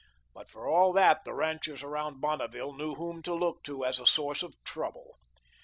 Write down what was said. But for all that, the ranchers about Bonneville knew whom to look to as a source of trouble.